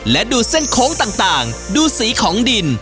และดูเส้นโค้งต่างดูสีของดิน